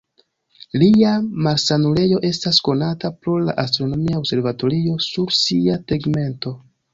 Lia malsanulejo estas konata pro la astronomia observatorio sur sia tegmento.